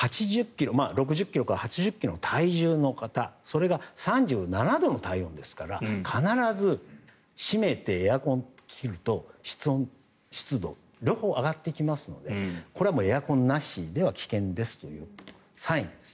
６０ｋｇから８０ｋｇの体重の方それが３７度の体温ですから必ず閉めて、エアコンを切ると室温、湿度両方上がってきますのでこれはエアコンなしでは危険ですというサインです。